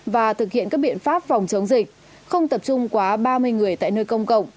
và thực hiện các biện pháp phòng chống dịch không tập trung quá ba mươi người tại nơi công cộng